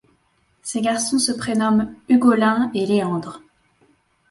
Ses garçons se prénomment Hugolin et Léandre.